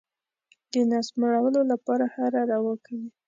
د نس مړولو لپاره هره روا کوي.